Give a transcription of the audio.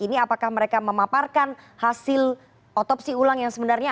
ini apakah mereka memaparkan hasil otopsi ulang yang sebenarnya